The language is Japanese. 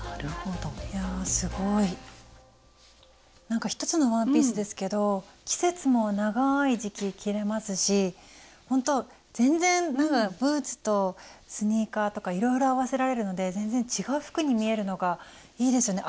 なんか１つのワンピースですけど季節も長い時期着れますしほんと全然ブーツとスニーカーとかいろいろ合わせられるので全然違う服に見えるのがいいですよね。